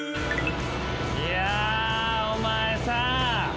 いやお前さぁ。